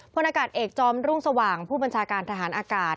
พลอากาศเอกจอมรุ่งสว่างผู้บัญชาการทหารอากาศ